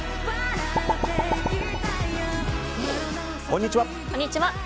こんにちは。